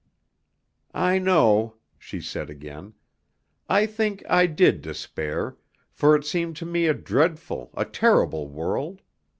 "I know," she said again. "I think I did despair, for it seemed to me a dreadful, a terrible world.